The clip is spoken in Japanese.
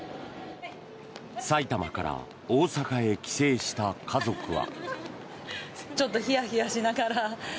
埼玉から大阪へ帰省した家族は。